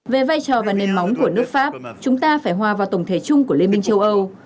về vai trò và nền móng của nước pháp chúng ta phải hòa vào tổng thể chung của liên minh châu âu